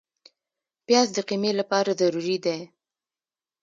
پیاز د قیمې لپاره ضروري دی